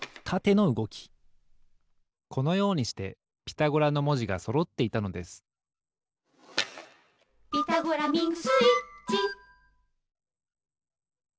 このようにしてピタゴラのもじがそろっていたのです「ピタゴラミングスイッチ」